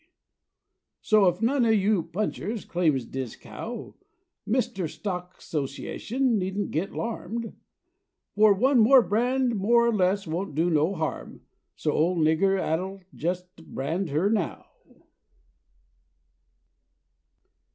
"So, if none o' you punchers claims dis cow, Mr. Stock 'Sociation needn't git 'larmed; For one more brand more or less won't do no harm, So old Nigger Add'l just brand her now."